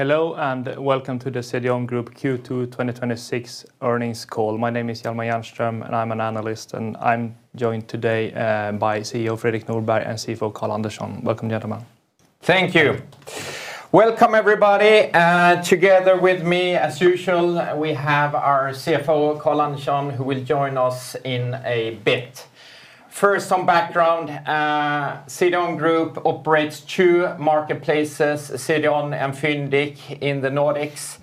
Hello, welcome to the CDON Group Q2 2026 earnings call. My name is Hjalmar Jernström and I'm an analyst. I'm joined today by CEO Fredrik Norberg and CFO Carl Andersson. Welcome, gentlemen. Thank you. Welcome everybody. Together with me, as usual, we have our CFO Carl Andersson, who will join us in a bit. First, some background. CDON Group operates two marketplaces, CDON and Fyndiq in the Nordics.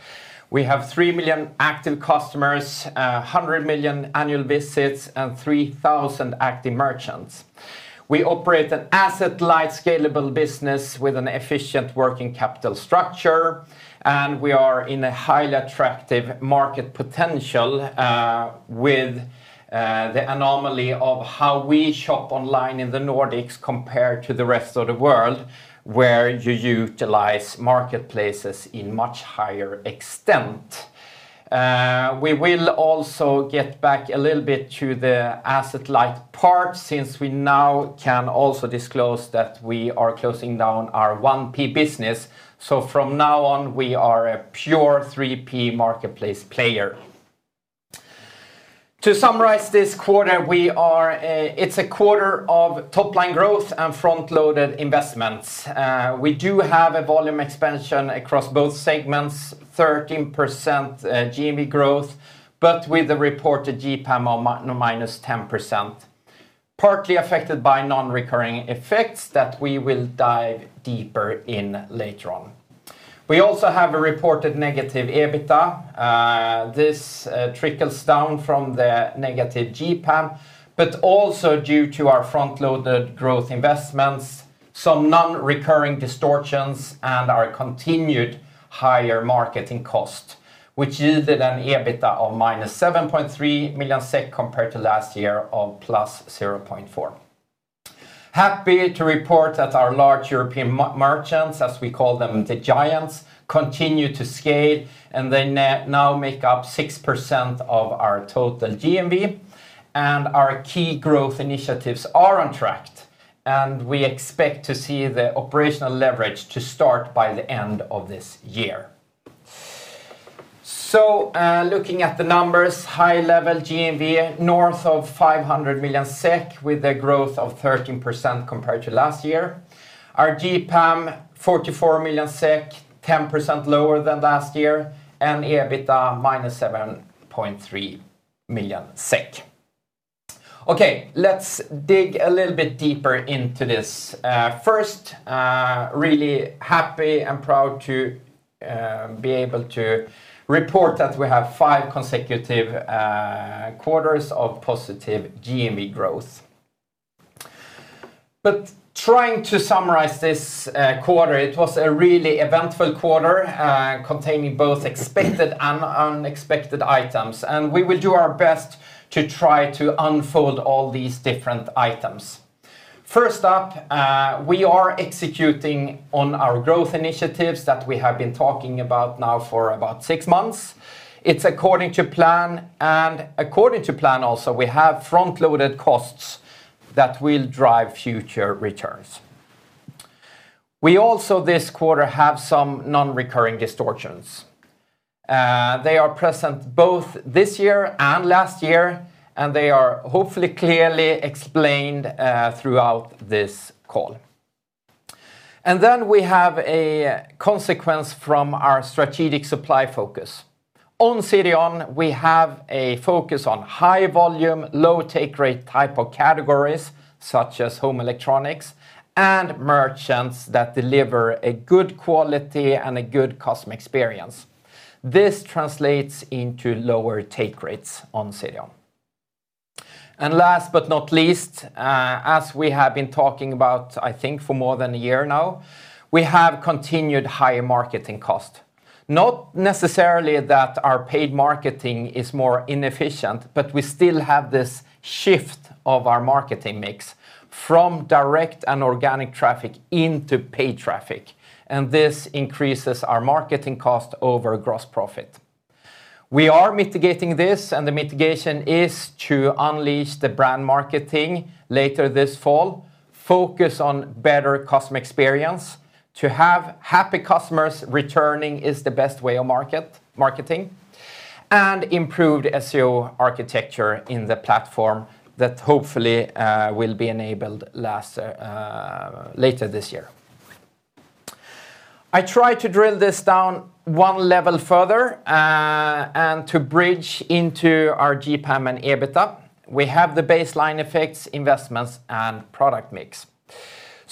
We have 3 million active customers, 100 million annual visits, and 3,000 active merchants. We operate an asset-light scalable business with an efficient working capital structure, we are in a highly attractive market potential with the anomaly of how we shop online in the Nordics compared to the rest of the world, where you utilize marketplaces in much higher extent. We will also get back a little bit to the asset-light part since we now can also disclose that we are closing down our 1P business. From now on, we are a pure 3P marketplace player. To summarize this quarter, it's a quarter of top-line growth and front-loaded investments. We do have a volume expansion across both segments, 13% GMV growth, but with the reported GPAM of -10%, partly affected by non-recurring effects that we will dive deeper in later on. We also have a reported negative EBITDA. This trickles down from the negative GPAM, but also due to our front-loaded growth investments, some non-recurring distortions, and our continued higher marketing cost, which yielded an EBITDA of -7.3 million SEK compared to last year of +0.4 million. Happy to report that our large European merchants, as we call them, the giants, continue to scale, and they now make up 6.3% of our total GMV, our key growth initiatives are on track. We expect to see the operational leverage to start by the end of this year. Looking at the numbers, high level GMV north of 500 million SEK with a growth of 13% compared to last year. Our GPAM, 44 million SEK, 10% lower than last year. EBITDA -7.3 million SEK. Okay, let's dig a little bit deeper into this. First, really happy and proud to be able to report that we have five consecutive quarters of positive GMV growth. Trying to summarize this quarter, it was a really eventful quarter containing both expected and unexpected items. We will do our best to try to unfold all these different items. First up, we are executing on our growth initiatives that we have been talking about now for about six months. It's according to plan, and according to plan also, we have front-loaded costs that will drive future returns. We also, this quarter, have some non-recurring distortions. They are present both this year and last year, and they are hopefully clearly explained throughout this call. We have a consequence from our strategic supply focus. On CDON, we have a focus on high volume, low take rate type of categories such as home electronics and merchants that deliver a good quality and a good customer experience. This translates into lower take rates on CDON. Last but not least, as we have been talking about, I think for more than one year now, we have continued higher marketing cost. Not necessarily that our paid marketing is more inefficient, but we still have this shift of our marketing mix from direct and organic traffic into paid traffic, and this increases our marketing cost over gross profit. We are mitigating this, and the mitigation is to unleash the brand marketing later this fall, focus on better customer experience. To have happy customers returning is the best way of marketing. Improved SEO architecture in the platform that hopefully will be enabled later this year. I try to drill this down one level further, and to bridge into our GPAM and EBITDA. We have the baseline effects, investments, and product mix.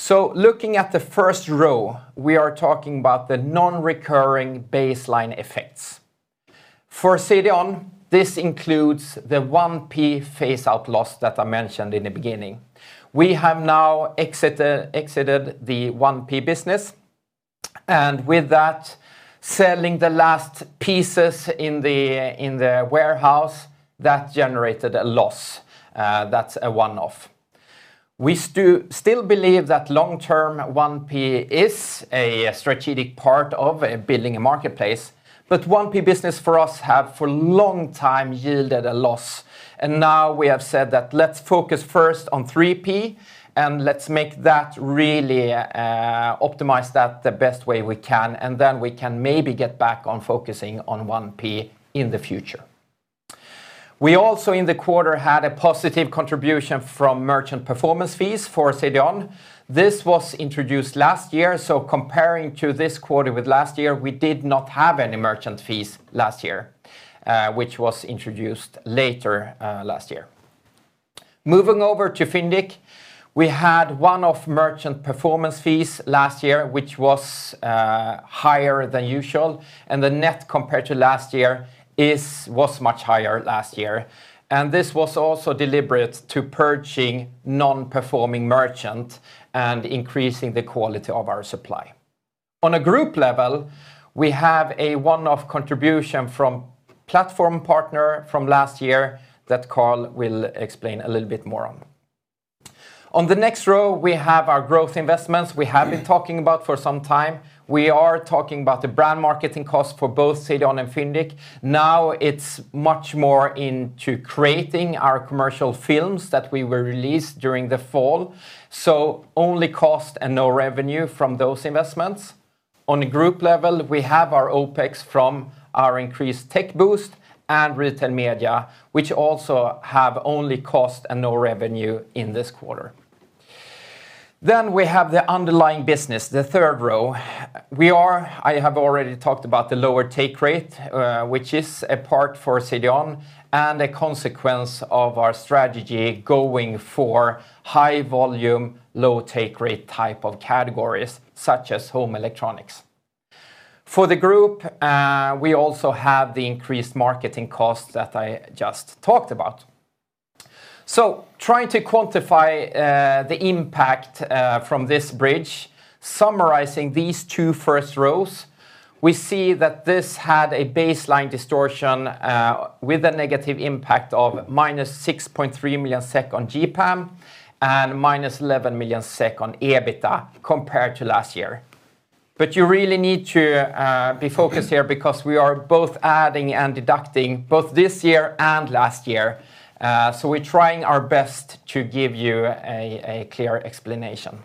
Looking at the first row, we are talking about the non-recurring baseline effects. For CDON, this includes the 1P phase-out loss that I mentioned in the beginning. We have now exited the 1P business, and with that, selling the last pieces in the warehouse, that generated a loss. That's a one-off. We still believe that long-term 1P is a strategic part of building a marketplace, but 1P business for us have for long time yielded a loss. Now we have said that let's focus first on 3P and let's really optimize that the best way we can, and then we can maybe get back on focusing on 1P in the future. We also in the quarter had a positive contribution from merchant performance fees for CDON. This was introduced last year, so comparing to this quarter with last year, we did not have any merchant fees last year, which was introduced later last year. Moving over to Fyndiq, we had one-off merchant performance fees last year, which was higher than usual, and the net compared to last year was much higher last year. This was also deliberate to purging non-performing merchant and increasing the quality of our supply. On a group level, we have a one-off contribution from platform partner from last year that Carl will explain a little bit more on. On the next row, we have our growth investments we have been talking about for some time. We are talking about the brand marketing cost for both CDON and Fyndiq. Now it's much more into creating our commercial films that we will release during the fall. Only cost and no revenue from those investments. On a group level, we have our OpEx from our increased Tech Boost and Retail Media, which also have only cost and no revenue in this quarter. We have the underlying business, the third row. I have already talked about the lower take rate, which is a part for CDON and a consequence of our strategy going for high volume, low take rate type of categories such as home electronics. For the group, we also have the increased marketing costs that I just talked about. Trying to quantify the impact from this bridge, summarizing these two first rows, we see that this had a baseline distortion with a negative impact of -6.3 million SEK on GPAM and -11 million SEK on EBITDA compared to last year. You really need to be focused here because we are both adding and deducting both this year and last year. We're trying our best to give you a clear explanation.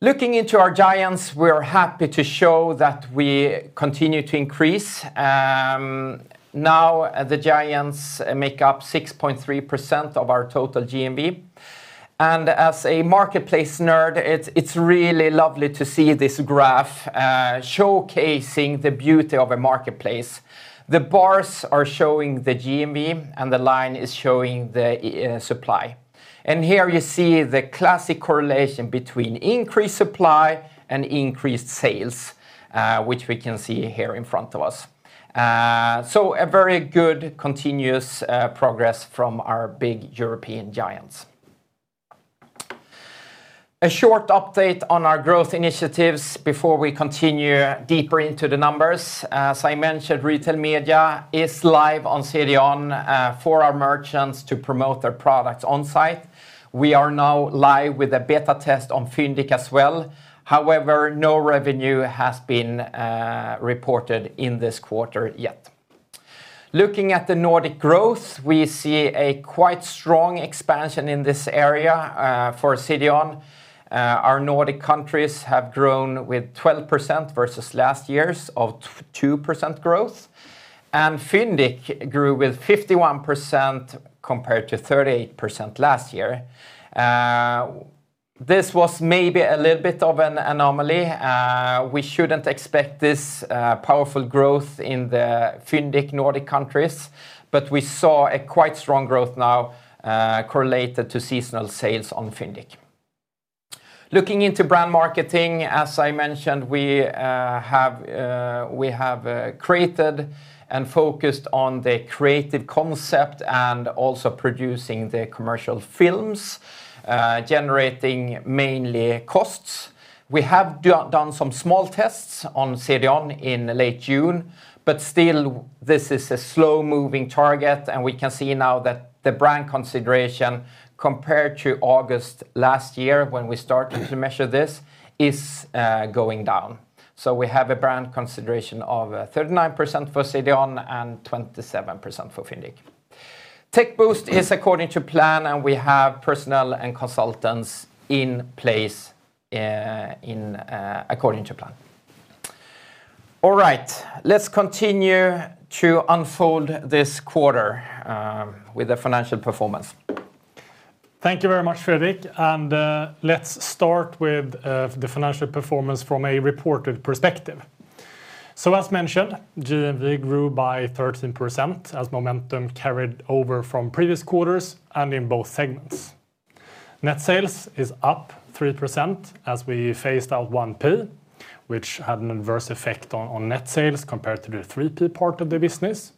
Looking into our giants, we are happy to show that we continue to increase. Now the giants make up 6.3% of our total GMV. As a marketplace nerd, it's really lovely to see this graph showcasing the beauty of a marketplace. The bars are showing the GMV, and the line is showing the supply. Here you see the classic correlation between increased supply and increased sales, which we can see here in front of us. A very good continuous progress from our big European giants. A short update on our growth initiatives before we continue deeper into the numbers. As I mentioned, Retail Media is live on CDON for our merchants to promote their products on-site. We are now live with a beta test on Fyndiq as well. However, no revenue has been reported in this quarter yet. Looking at the Nordic growth, we see a quite strong expansion in this area for CDON. Our Nordic countries have grown with 12% versus last year's of 2% growth, and Fyndiq grew with 51% compared to 38% last year. This was maybe a little bit of an anomaly. We shouldn't expect this powerful growth in the Fyndiq Nordic countries, but we saw a quite strong growth now correlated to seasonal sales on Fyndiq. Looking into brand marketing, as I mentioned, we have created and focused on the creative concept and also producing the commercial films, generating mainly costs. We have done some small tests on CDON in late June, but still, this is a slow-moving target, and we can see now that the brand consideration compared to August last year when we started to measure this is going down. We have a brand consideration of 39% for CDON and 27% for Fyndiq. Tech Boost is according to plan, and we have personnel and consultants in place according to plan. All right. Let's continue to unfold this quarter with the financial performance. Thank you very much, Fredrik, let's start with the financial performance from a reported perspective. As mentioned, GMV grew by 13% as momentum carried over from previous quarters and in both segments. Net sales is up 3% as we phased out 1P, which had an adverse effect on net sales compared to the 3P part of the business.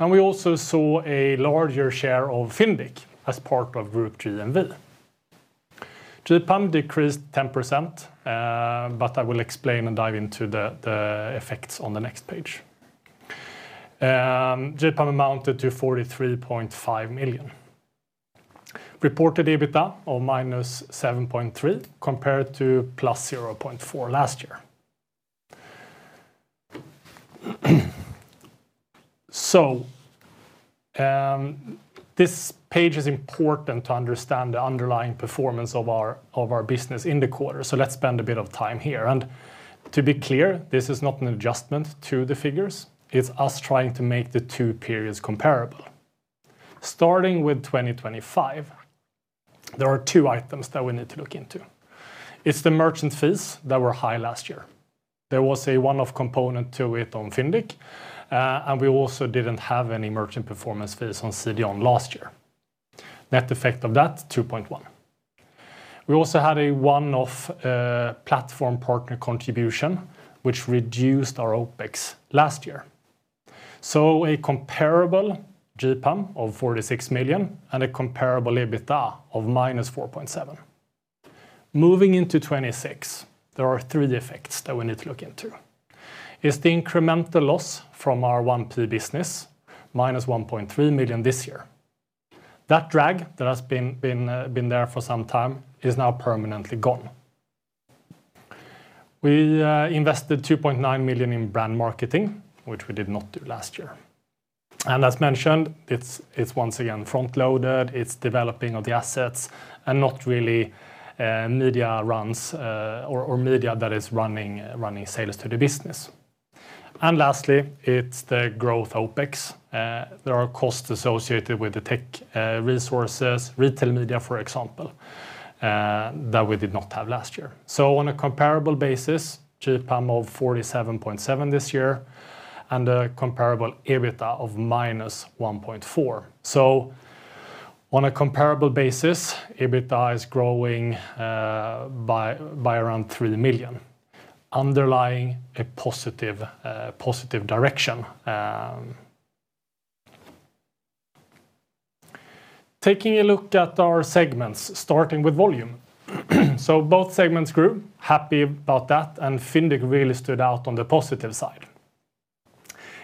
We also saw a larger share of Fyndiq as part of Group GMV. GPAM decreased 10%, I will explain and dive into the effects on the next page. GPAM amounted to 43.5 million. Reported EBITDA of -7.3 million compared to plus +400,000 last year. This page is important to understand the underlying performance of our business in the quarter. Let's spend a bit of time here. To be clear, this is not an adjustment to the figures. It's us trying to make the two periods comparable. Starting with 2025, there are two items that we need to look into. It's the merchant fees that were high last year. There was a one-off component to it on Fyndiq, and we also didn't have any merchant performance fees on CDON last year. Net effect of that, 2.1 million. We also had a one-off platform partner contribution, which reduced our OpEx last year. A comparable GPAM of 46 million and a comparable EBITDA of -4.7 million. Moving into 2026, there are three effects that we need to look into. It's the incremental loss from our 1P business, -1.3 million this year. That drag that has been there for some time is now permanently gone. We invested 2.9 million in brand marketing, which we did not do last year. As mentioned, it's once again front-loaded, it's developing of the assets and not really media runs or media that is running sales to the business. Lastly, it's the growth OpEx. There are costs associated with the tech resources, Retail Media, for example, that we did not have last year. On a comparable basis, GPAM of 47.7 million this year and a comparable EBITDA of -1.4 million. On a comparable basis, EBITDA is growing by around 3 million, underlying a positive direction. Taking a look at our segments, starting with volume. Both segments grew. Happy about that, and Fyndiq really stood out on the positive side.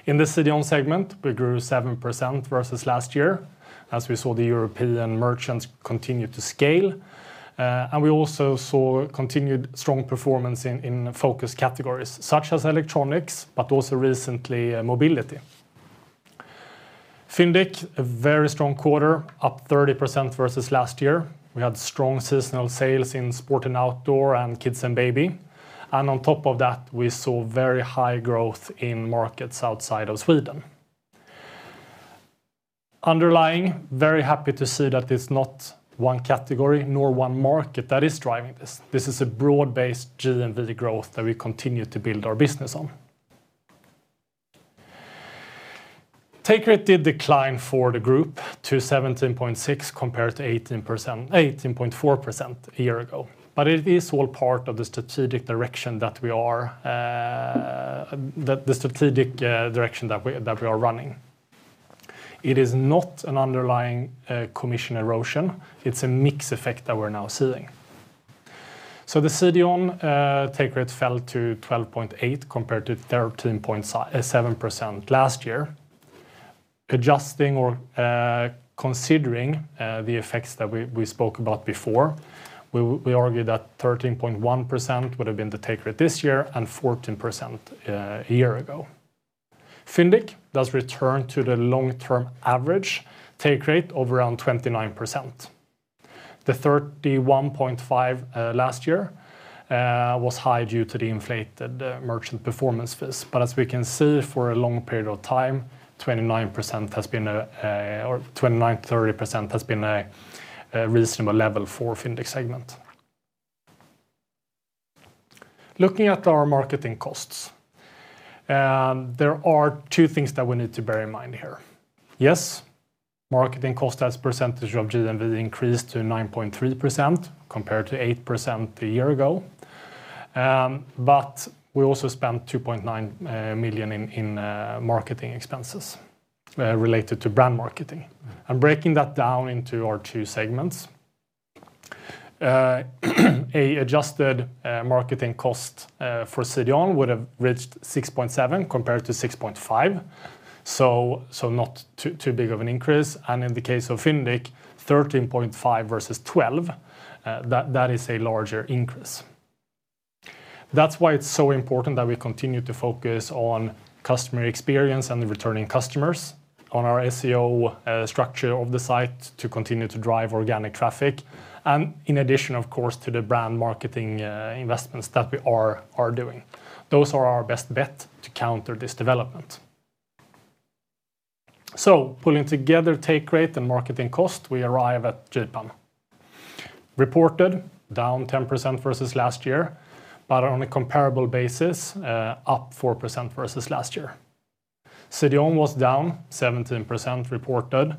In the CDON segment, we grew 7% versus last year. As we saw, the European merchants continue to scale. We also saw continued strong performance in focus categories such as electronics, but also recently, mobility. Fyndiq, a very strong quarter, up 30% versus last year. We had strong seasonal sales in sport and outdoor and kids and baby. On top of that, we saw very high growth in markets outside of Sweden. Underlying, very happy to see that it's not one category nor one market that is driving this. This is a broad-based GMV growth that we continue to build our business on. Take rate did decline for the group to 17.6% compared to 18.4% a year ago. It is all part of the strategic direction that we are running. It is not an underlying commission erosion. It's a mix effect that we're now seeing. The CDON take rate fell to 12.8% compared to 13.7% last year. Adjusting or considering the effects that we spoke about before, we argue that 13.1% would have been the take rate this year and 14% a year ago. Fyndiq does return to the long-term average take rate of around 29%. The 31.5% last year was high due to the inflated merchant performance fees. As we can see, for a long period of time, 29%-30% has been a reasonable level for Fyndiq segment. Looking at our marketing costs, there are two things that we need to bear in mind here. Yes, marketing cost as percentage of GMV increased to 9.3% compared to 8% a year ago. We also spent 2.9 million in marketing expenses related to brand marketing. Breaking that down into our two segments, an adjusted marketing cost for CDON would have reached 6.7% compared to 6.5%, so not too big of an increase. In the case of Fyndiq, 13.5% versus 12%, that is a larger increase. That's why it's so important that we continue to focus on customer experience and returning customers on our SEO structure of the site to continue to drive organic traffic. In addition, of course, to the brand marketing investments that we are doing. Those are our best bet to counter this development. Pulling together take rate and marketing cost, we arrive at GPAM. Reported down 10% versus last year, but on a comparable basis, up 4% versus last year. CDON was down 17% reported,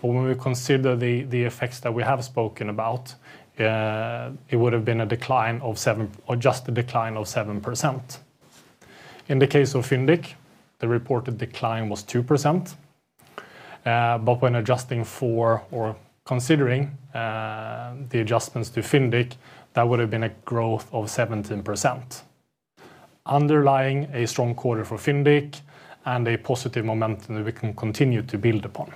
but when we consider the effects that we have spoken about, it would have been an adjusted decline of 7%. In the case of Fyndiq, the reported decline was 2%. When adjusting for or considering the adjustments to Fyndiq, that would have been a growth of 17%. Underlying a strong quarter for Fyndiq and a positive momentum that we can continue to build upon.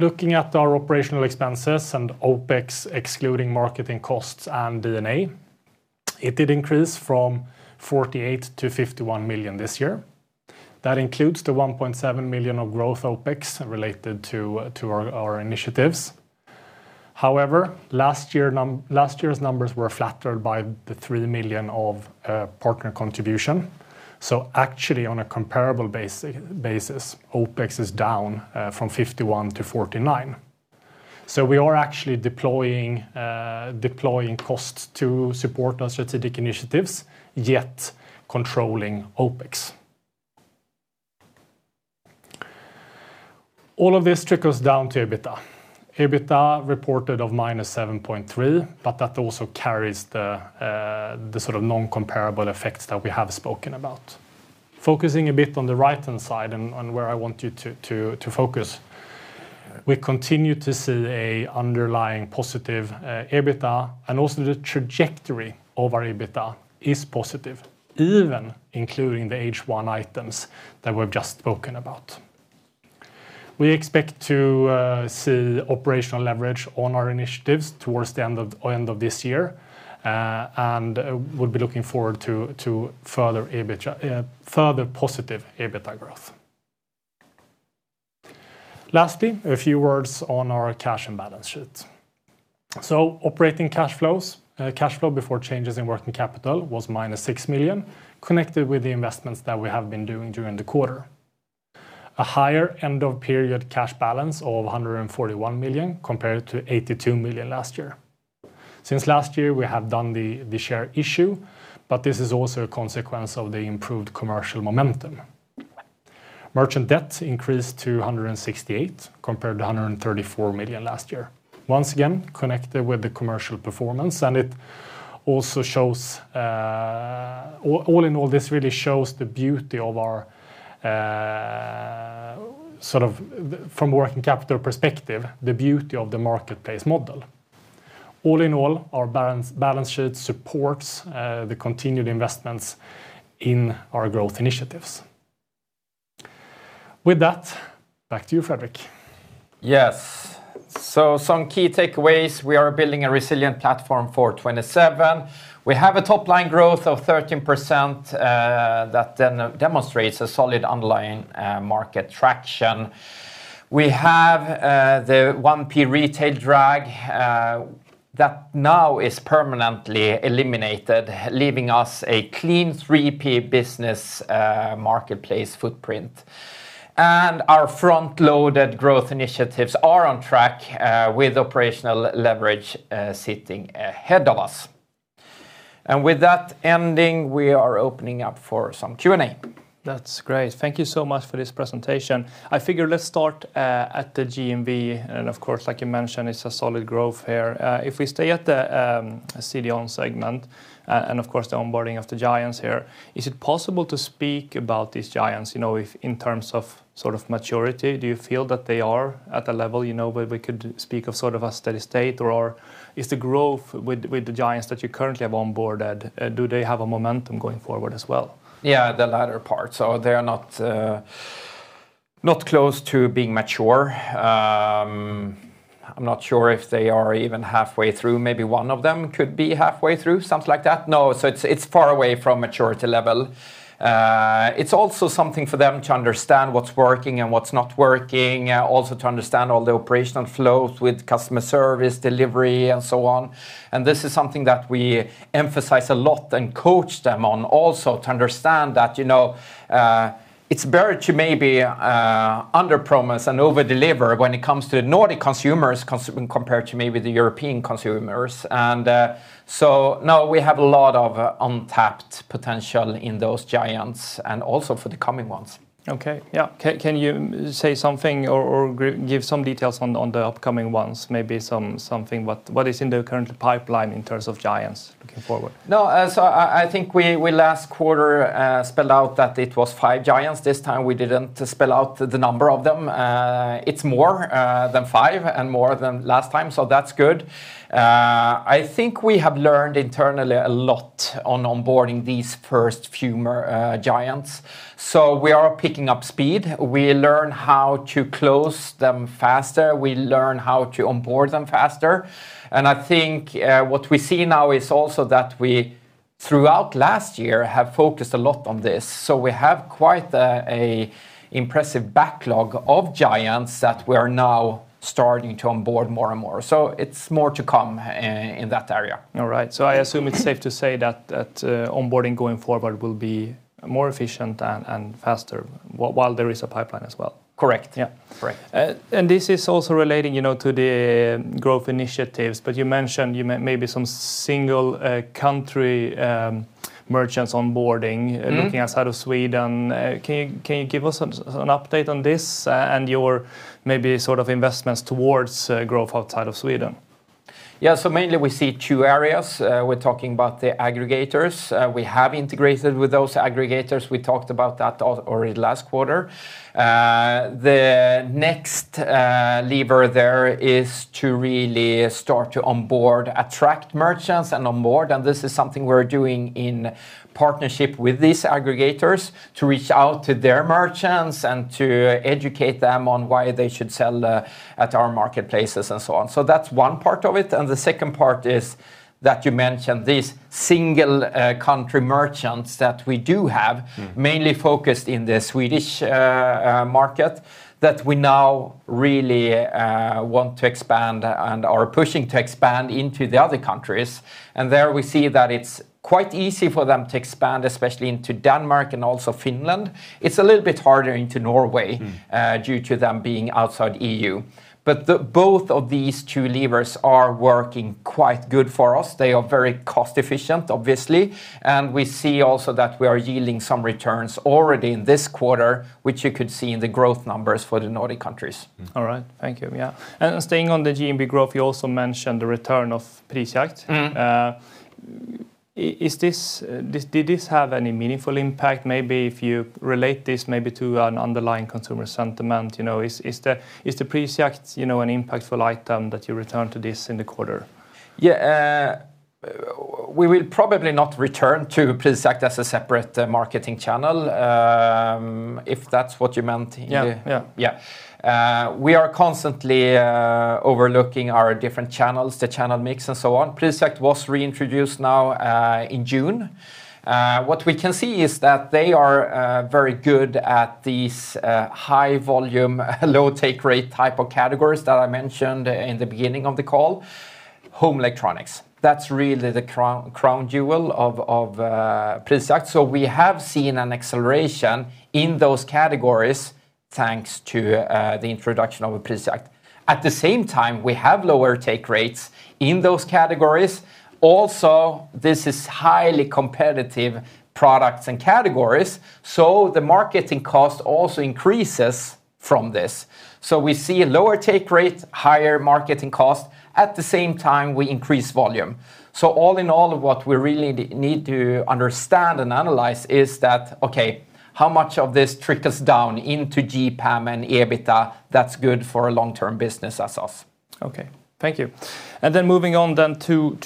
Looking at our operational expenses and OpEx, excluding marketing costs and D&A, it did increase from 48 million-51 million this year. That includes the 1.7 million of growth OpEx related to our initiatives. However, last year's numbers were flattered by the 3 million of partner contribution. Actually on a comparable basis, OpEx is down from 51 million-49 million. We are actually deploying costs to support our strategic initiatives, yet controlling OpEx. All of this trickles down to EBITDA. EBITDA reported of -7.3 million, but that also carries the non-comparable effects that we have spoken about. Focusing a bit on the right-hand side and where I want you to focus, we continue to see an underlying positive EBITDA, and also the trajectory of our EBITDA is positive, even including the H1 items that we've just spoken about. We expect to see operational leverage on our initiatives towards the end of this year, and we'll be looking forward to further positive EBITDA growth. Lastly, a few words on our cash and balance sheet. Operating cash flows, cash flow before changes in working capital was -6 million, connected with the investments that we have been doing during the quarter. A higher end of period cash balance of 141 million compared to 82 million last year. Since last year, we have done the share issue, but this is also a consequence of the improved commercial momentum. Merchant debt increased to 168 million compared to 134 million last year. Once again, connected with the commercial performance, all in all, this really shows, from a working capital perspective, the beauty of the marketplace model. All in all, our balance sheet supports the continued investments in our growth initiatives. With that, back to you, Fredrik. Yes. Some key takeaways. We are building a resilient platform for 2027. We have a top-line growth of 13% that then demonstrates a solid underlying market traction. We have the 1P retail drag that now is permanently eliminated, leaving us a clean 3P business marketplace footprint. Our front-loaded growth initiatives are on track with operational leverage sitting ahead of us. With that ending, we are opening up for some Q&A. That's great. Thank you so much for this presentation. I figure let's start at the GMV, and of course, like you mentioned, it's a solid growth here. If we stay at the CDON segment, and of course, the onboarding of the giants here, is it possible to speak about these giants, in terms of maturity? Do you feel that they are at a level where we could speak of a steady state, or is the growth with the giants that you currently have onboarded, do they have a momentum going forward as well? Yeah, the latter part. They're not close to being mature. I'm not sure if they are even halfway through. Maybe one of them could be halfway through, something like that. No, it's far away from maturity level. It's also something for them to understand what's working and what's not working, also to understand all the operational flows with customer service, delivery, and so on. This is something that we emphasize a lot and coach them on also to understand that it's better to maybe under-promise and over-deliver when it comes to Nordic consumers compared to maybe the European consumers. No, we have a lot of untapped potential in those giants and also for the coming ones. Okay. Yeah. Can you say something or give some details on the upcoming ones, maybe something what is in the current pipeline in terms of giants looking forward? I think we last quarter spelled out that it was five giants. This time we didn't spell out the number of them. It's more than five and more than last time, so that's good. I think we have learned internally a lot on onboarding these first few giants. We are picking up speed. We learn how to close them faster, we learn how to onboard them faster. I think what we see now is also that we, throughout last year, have focused a lot on this. We have quite an impressive backlog of giants that we are now starting to onboard more and more. It's more to come in that area. All right. I assume it's safe to say that onboarding going forward will be more efficient and faster while there is a pipeline as well. Correct. Yeah. Correct. This is also relating to the growth initiatives, you mentioned maybe some single country merchants onboarding. Looking outside of Sweden. Can you give us an update on this and your maybe investments towards growth outside of Sweden? Mainly we see two areas. We're talking about the aggregators. We have integrated with those aggregators. We talked about that already last quarter. The next lever there is to really start to onboard, attract merchants and onboard. This is something we're doing in partnership with these aggregators to reach out to their merchants and to educate them on why they should sell at our marketplaces and so on. That's one part of it. The second part is that you mentioned these single country merchants that we do have mainly focused in the Swedish market that we now really want to expand and are pushing to expand into the other countries. There we see that it's quite easy for them to expand, especially into Denmark and also Finland. It's a little bit harder into Norway due to them being outside EU. Both of these two levers are working quite good for us. They are very cost efficient, obviously. We see also that we are yielding some returns already in this quarter, which you could see in the growth numbers for the Nordic countries. All right. Thank you. Staying on the GMV growth, you also mentioned the return of Prisjakt. Did this have any meaningful impact? If you relate this maybe to an underlying consumer sentiment. Is the Prisjakt an impactful item that you return to this in the quarter? Yeah. We will probably not return to Prisjakt as a separate marketing channel, if that's what you meant. Yeah. Yeah. We are constantly overlooking our different channels, the channel mix and so on. Prisjakt was reintroduced now in June. What we can see is that they are very good at these high volume, low take rate type of categories that I mentioned in the beginning of the call. Home electronics, that's really the crown jewel of Prisjakt. We have seen an acceleration in those categories thanks to the introduction of Prisjakt. At the same time, we have lower take rates in those categories. Also, this is highly competitive products and categories, so the marketing cost also increases from this. We see lower take rate, higher marketing cost. At the same time, we increase volume. All in all, what we really need to understand and analyze is that, okay, how much of this trickles down into GPAM and EBITDA that's good for a long-term business as us? Okay, thank you. Moving on then to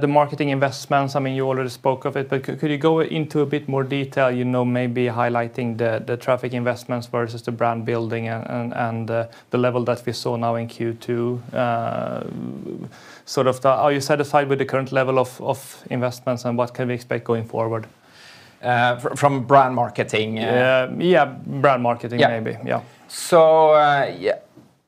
the marketing investments. You already spoke of it, but could you go into a bit more detail, maybe highlighting the traffic investments versus the brand building and the level that we saw now in Q2? Are you satisfied with the current level of investments and what can we expect going forward? From brand marketing? Brand marketing maybe.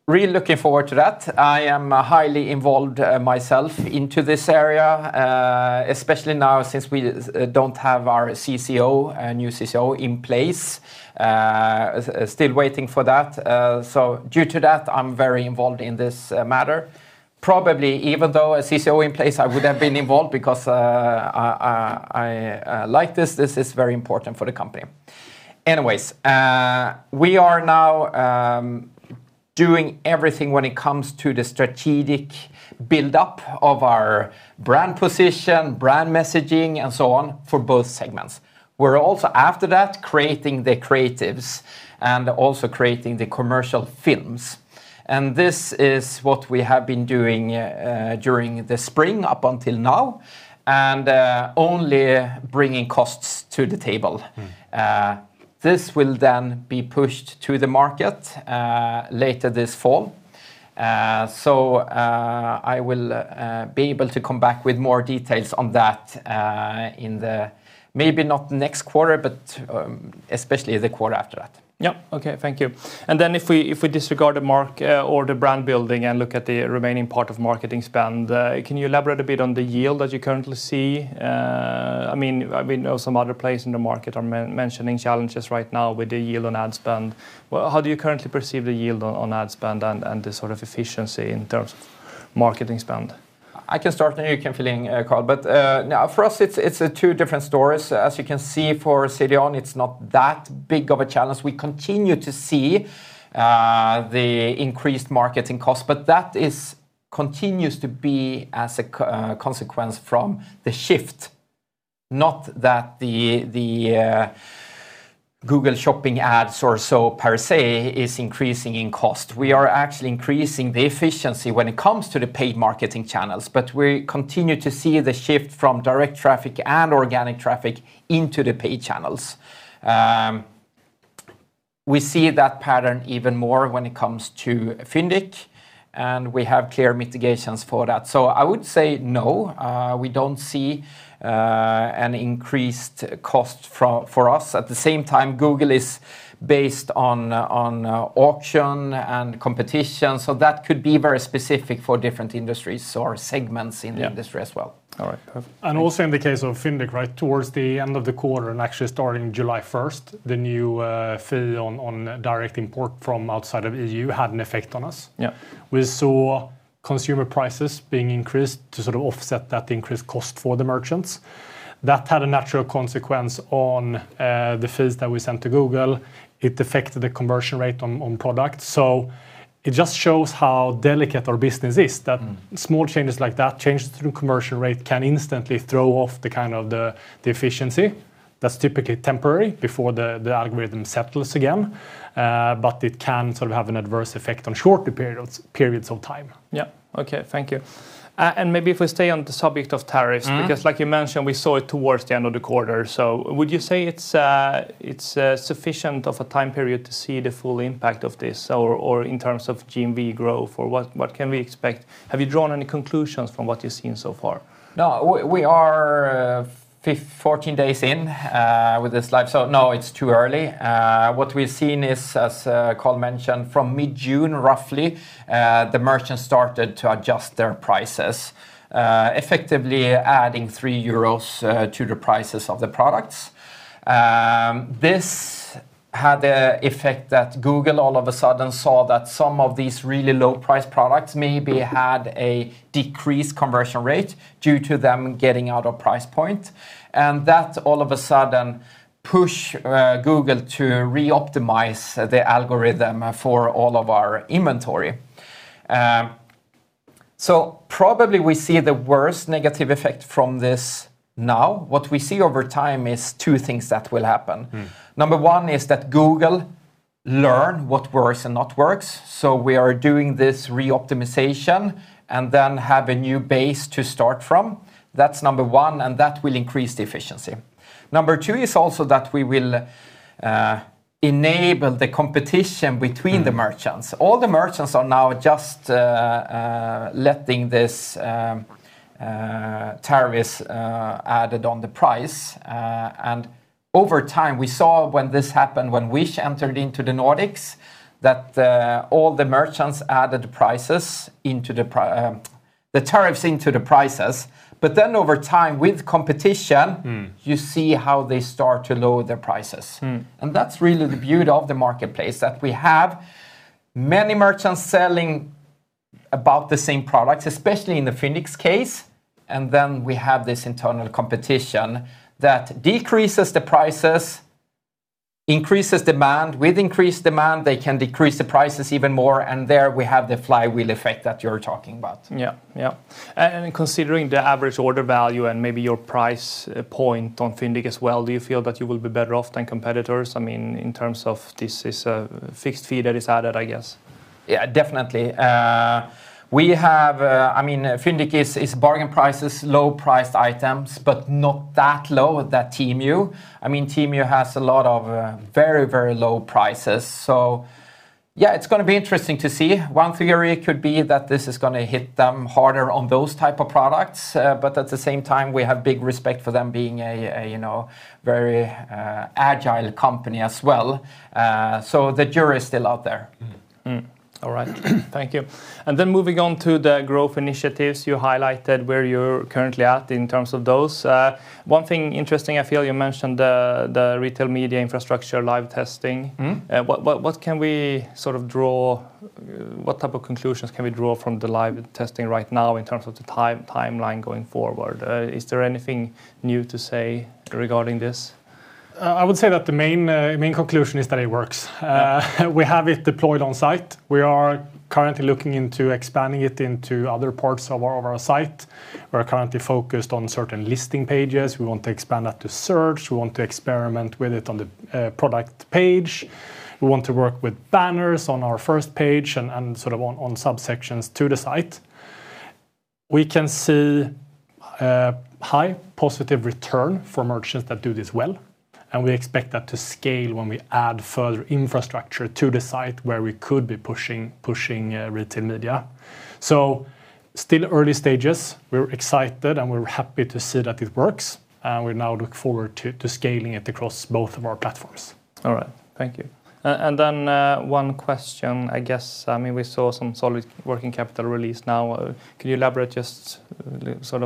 Really looking forward to that. I am highly involved myself into this area, especially now since we don't have our new CCO in place. Still waiting for that. Due to that, I'm very involved in this matter. Probably even though a CCO in place, I would have been involved because I like this. This is very important for the company. We are now doing everything when it comes to the strategic build-up of our brand position, brand messaging, and so on, for both segments. We're also after that, creating the creatives and also creating the commercial films, this is what we have been doing during the spring up until now and only bringing costs to the table. This will then be pushed to the market later this fall. I will be able to come back with more details on that in the maybe not next quarter, but especially the quarter after that. Thank you. Then if we disregard the mark or the brand building and look at the remaining part of marketing spend, can you elaborate a bit on the yield that you currently see? We know some other place in the market are mentioning challenges right now with the yield on ad spend. How do you currently perceive the yield on ad spend and the sort of efficiency in terms of marketing spend? I can start, then you can fill in, Carl. For us, it's two different stories. As you can see for CDON, it's not that big of a challenge. We continue to see the increased marketing cost, but that continues to be as a consequence from the shift, not that the Google Shopping ads or so per se is increasing in cost. We are actually increasing the efficiency when it comes to the paid marketing channels. We continue to see the shift from direct traffic and organic traffic into the paid channels. We see that pattern even more when it comes to Fyndiq, and we have clear mitigations for that. I would say no, we don't see an increased cost for us. At the same time, Google is based on auction and competition, that could be very specific for different industries or segments in the industry as well. All right. Also in the case of Fyndiq, towards the end of the quarter and actually starting July 1st, the new fee on direct import from outside of EU had an effect on us. Yeah. We saw consumer prices being increased to offset that increased cost for the merchants. That had a natural consequence on the fees that we sent to Google. It affected the conversion rate on product. It just shows how delicate our business is, that small changes like that, changes through conversion rate, can instantly throw off the efficiency. That's typically temporary before the algorithm settles again, but it can have an adverse effect on shorter periods of time. Yeah. Okay. Thank you. Maybe if we stay on the subject of tariffs like you mentioned, we saw it towards the end of the quarter. Would you say it's sufficient of a time period to see the full impact of this, or in terms of GMV growth or what can we expect? Have you drawn any conclusions from what you've seen so far? No, we are 14 days in with this live, so no, it's too early. What we've seen is, as Carl mentioned, from mid-June, roughly, the merchants started to adjust their prices, effectively adding three euros to the prices of the products. This had the effect that Google all of a sudden saw that some of these really low-price products maybe had a decreased conversion rate due to them getting out of price point. That all of a sudden pushed Google to re-optimize the algorithm for all of our inventory. Probably we see the worst negative effect from this now. What we see over time is two things that will happen. Number one is that Google learn what works and not works. We are doing this re-optimization and then have a new base to start from. That's number one, and that will increase the efficiency. Number two is also that we will enable the competition between the merchants. All the merchants are now just letting this tariffs added on the price. Over time, we saw when this happened, when Wish entered into the Nordics that all the merchants added the tariffs into the prices. Over time, with competition you see how they start to lower their prices. That's really the beauty of the marketplace, that we have many merchants selling about the same products, especially in the Fyndiq case. We have this internal competition that decreases the prices, increases demand. With increased demand, they can decrease the prices even more, and there we have the flywheel effect that you're talking about. Yeah. Considering the average order value and maybe your price point on Fyndiq as well, do you feel that you will be better off than competitors? In terms of this is a fixed fee that is added, I guess. Yeah, definitely. Fyndiq is bargain prices, low-priced items, but not that low as Temu. Temu has a lot of very low prices. Yeah, it's going to be interesting to see. One theory could be that this is going to hit them harder on those type of products. At the same time, we have big respect for them being a very agile company as well. The jury is still out there. All right. Thank you. Moving on to the growth initiatives, you highlighted where you're currently at in terms of those. One thing interesting, I feel you mentioned the Retail Media infrastructure live testing. What type of conclusions can we draw from the live testing right now in terms of the timeline going forward? Is there anything new to say regarding this? I would say that the main conclusion is that it works. We have it deployed on site. We are currently looking into expanding it into other parts of our site. We're currently focused on certain listing pages. We want to expand that to search. We want to experiment with it on the product page. We want to work with banners on our first page and on subsections to the site. We can see high positive return from merchants that do this well, and we expect that to scale when we add further infrastructure to the site where we could be pushing Retail Media. Still early stages. We're excited and we're happy to see that it works, and we now look forward to scaling it across both of our platforms. All right. Thank you. One question, I guess, we saw some solid working capital release now. Can you elaborate just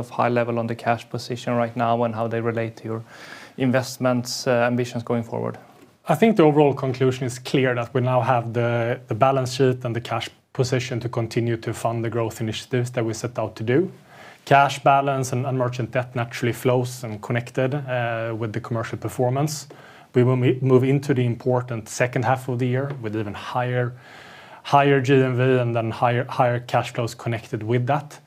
high level on the cash position right now and how they relate to your investments ambitions going forward? I think the overall conclusion is clear that we now have the balance sheet and the cash position to continue to fund the growth initiatives that we set out to do. Cash balance and merchant debt naturally flows and connected with the commercial performance. We will move into the important second half of the year with even higher GMV, higher cash flows connected with that.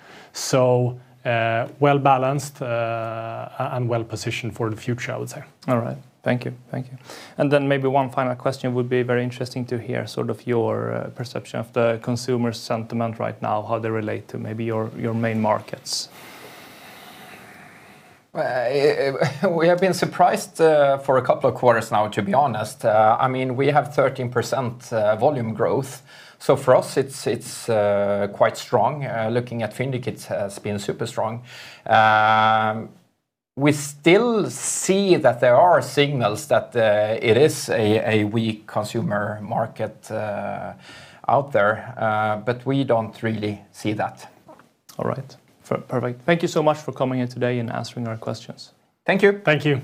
Well-balanced and well-positioned for the future, I would say. All right. Thank you. Maybe one final question would be very interesting to hear your perception of the consumer sentiment right now, how they relate to maybe your main markets. We have been surprised for two quarters now, to be honest. We have 13% volume growth. For us it's quite strong. Looking at Fyndiq, it has been super strong. We still see that there are signals that it is a weak consumer market out there. We don't really see that. All right. Perfect. Thank you so much for coming in today and answering our questions. Thank you. Thank you.